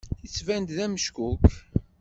Yettban-d d ameckuk.